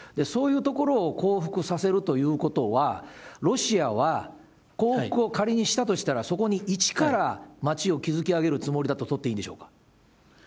そういうところを降伏させるということは、ロシアは降伏を仮にしたとしたら、そこに一から街を築き上げるつもりだと取っていいんでしょうか。